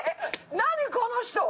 何この人！